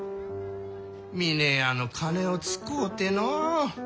峰屋の金を使うてのう。